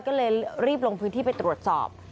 ก็เลยรีบลงพื้นที่ไปตรวจสอบ